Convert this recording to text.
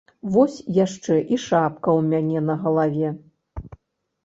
Вось яшчэ і шапка ў мяне на галаве.